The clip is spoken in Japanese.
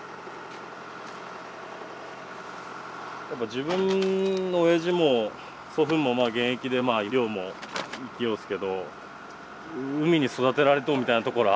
自分のおやじも祖父もまあ現役でまあ漁も行きようすけど海に育てられとるみたいなところあるからうん。